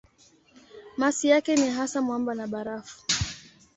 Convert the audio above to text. Masi yake ni hasa mwamba na barafu.